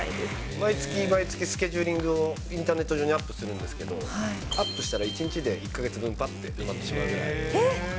毎月毎月スケジューリングをインターネット上にアップするんですけど、アップしたら１日で、１か月分、ぱって埋まってしまうぐらい。